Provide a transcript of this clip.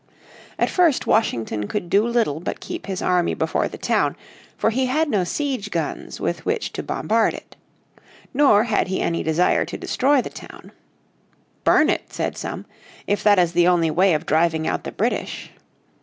At first Washington could do little but keep his army before the town, for he had no siege guns with which to bombard it. Nor had he any desire to destroy the town." Burn it," said some, "if that is the only way of driving out the British."